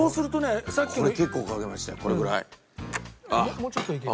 もうちょっといける。